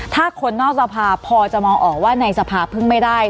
ถ้าคนนอกสภาพพอจะมองออกว่าในสภาเพิ่งไม่ได้